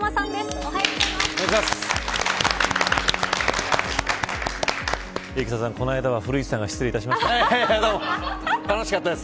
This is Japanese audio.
おはようございます。